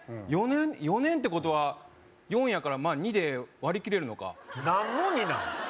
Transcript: ４年ってことは４やから２で割り切れるのかなんの２なん？